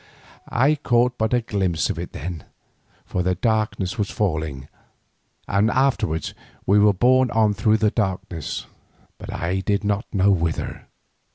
I caught but a glimpse of it then, for the darkness was falling, and afterwards we were borne on through the darkness, I did not know whither.